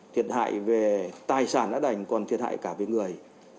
thiệt hại về tài sản đã đành còn thiệt hại cả về người